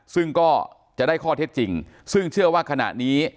ซึ่งก็จะได้ข้อเท็จจริงซึ่งเชื่อว่าขณะนี้